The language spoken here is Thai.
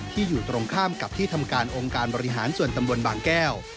อยู่ตรงข้ามกับที่ทำการองค์การบริหารส่วนตำบลบางแก้ว